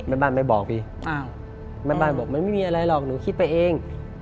แม่บ้านไม่บอกพี่อ้าวแม่บ้านบอกมันไม่มีอะไรหรอกหนูคิดไปเอง